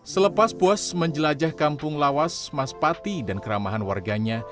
selepas puas menjelajah kampung lawas mas pati dan keramahan warganya